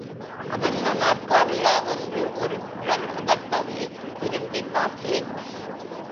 அதென்ன நாற்காலியா? என்று ஒரு குரல் அதட்டவே, திரும்பிப் பார்த்தேன்.